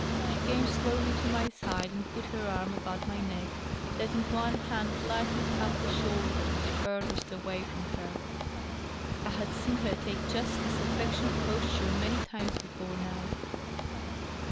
She came slowly to my side and put her arm about my neck, letting one hand lightly tap the shoulder that was farthest away from her. (I had seen her take just this affectionate posture many times before now